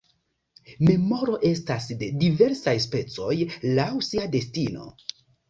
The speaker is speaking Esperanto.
Memoro estas de diversaj specoj laŭ sia destino.